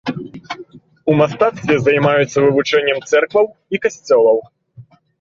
У мастацтве займаюцца вывучэннем цэркваў і касцёлаў.